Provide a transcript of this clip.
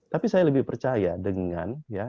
tapi saya lebih percaya dengan ya